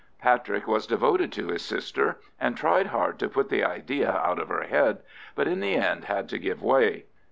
Patrick was devoted to his sister, and tried hard to put the idea out of her head, but in the end had to give way.